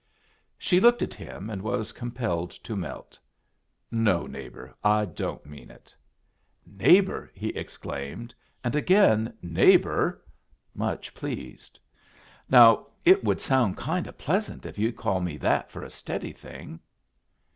She looked at him, and was compelled to melt. "No, neighbor, I don't mean it." "Neighbor!" he exclaimed; and again, "Neighbor," much pleased. "Now it would sound kind o' pleasant if you'd call me that for a steady thing."